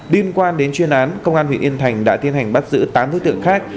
liên quan đến chuyên án công an huyện yên thành đã tiến hành bắt giữ tám đối tượng khác